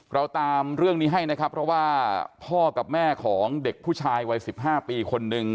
เราตามเรื่องนี้ให้นะครับเพราะว่าพ่อกับแม่ของเด็กผู้ชายวัย๑๕ปีคนนึง